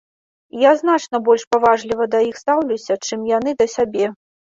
Я значна больш паважліва да іх стаўлюся, чым яны да сябе.